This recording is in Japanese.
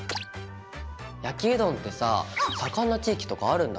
焼きうどんってさぁ盛んな地域とかあるんだね！